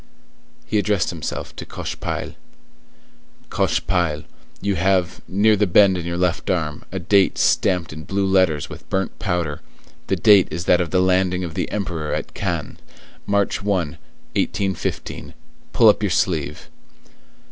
He addressed himself to Cochepaille:— "Cochepaille, you have, near the bend in your left arm, a date stamped in blue letters with burnt powder; the date is that of the landing of the Emperor at Cannes, March 1, 1815; pull up your sleeve!"